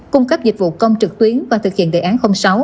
cung cấp dịch vụ công trực tuyến và thực hiện đề án sáu